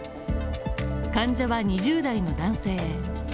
患者は２０代の男性。